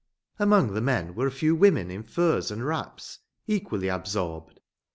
Among the men were a few women in furs and wraps, equally absorbed.